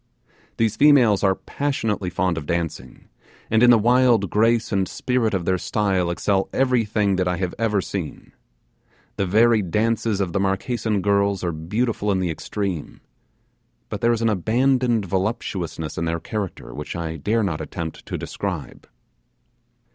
These females are passionately fond of dancing, and in the wild grace and spirit of the style excel everything I have ever seen. The varied dances of the Marquesan girls are beautiful in the extreme, but there is an abandoned voluptuousness in their character which I dare not attempt to describe.